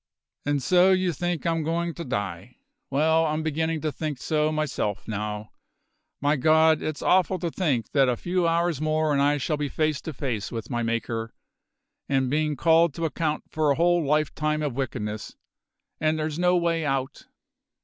And so you think I'm goin' to die? Well, I'm beginnin' to think so myself now. My God! it's awful to think that a few hours more and I shall be face to face with my Maker, and bein' called to account for a whole lifetime of wickedness. And there's no way out!"